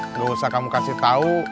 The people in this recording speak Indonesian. nggak usah kamu kasih tahu